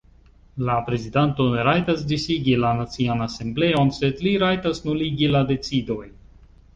La prezidanto ne rajtas disigi la Nacian Asembleon, sed li rajtas nuligi la decidojn.